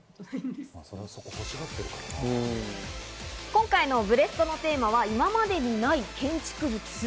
今回のブレストのテーマは、今までにない建築物。